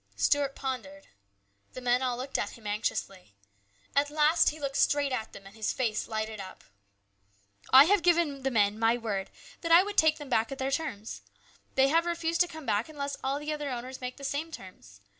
Stuart pondered. The men all looked at him anxiously. At last he looked straight at them and his face lighted up. " I have given the men my word that I would take them back at their terms. They have refused to come back unless all the other owners make the same terms.